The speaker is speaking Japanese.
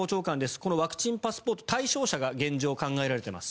このワクチンパスポート対象者が現状、考えられています。